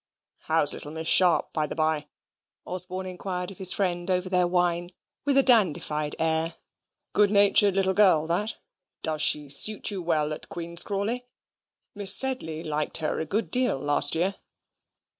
"How's little Miss Sharp, by the bye?" Osborne inquired of his friend over their wine, with a dandified air. "Good natured little girl that. Does she suit you well at Queen's Crawley? Miss Sedley liked her a good deal last year."